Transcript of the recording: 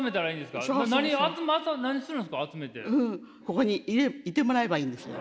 ここにいてもらえばいいんですよ。